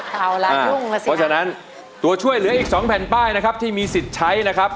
เพราะฉะนั้นตัวช่วยเหลืออีก๒แผ่นป้ายนะครับที่มีสิทธิ์ใช้นะครับ